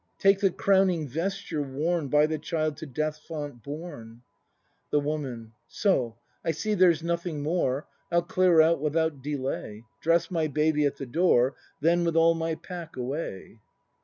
] Take the crowning vesture worn, By the child to Death's Font borne! The Woman. So! I see there's nothing more. I'll clear out without delay. Dress my baby at the door — Then with all my pack away!